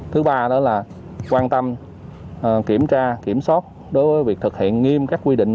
thứ ba đó là quan tâm kiểm tra kiểm soát đối với việc thực hiện nghiêm các quy định